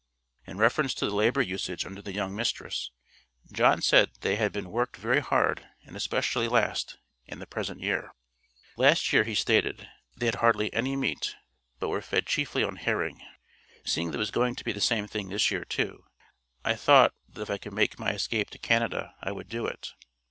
In reference to the labor usage under the young mistress, John said that they had been "worked very hard, and especially last, and the present year." "Last year," he stated, "they had hardly any meat, but were fed chiefly on herring. Seeing that it was going to be the same thing this year too, I thought that if I could make my escape to Canada, I would do it."